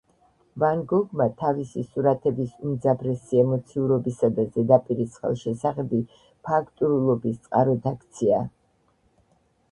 ვან გოგმა თავისი სურათების უმძაფრესი ემოციურობისა და ზედაპირის ხელშესახები ფაქტურულობის წყაროდ აქცია.